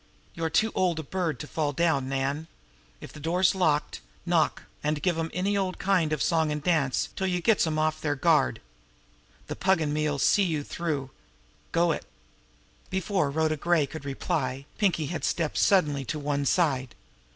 You're too old a bird to fall down, Nan. If the door's locked, knock an' give 'em any old kind of a song an' dance till you gets 'em off their guard. The Pug an' me 'll see you through. Go it!" Before Rhoda Gray could reply, Pinkie had stepped suddenly to one side.